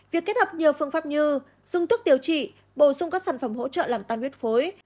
việc kết hợp nhiều phương pháp như dùng thuốc điều trị bổ sung các sản phẩm hỗ trợ làm tan huyết phối